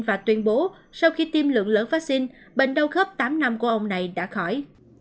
và tuyên bố sau khi tiêm lượng lớn vaccine bệnh đau khớp tám năm của ông này đã khỏi